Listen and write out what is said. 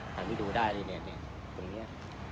ทางที่ดูได้เนี่ยเนี่ยตรงเนี่ย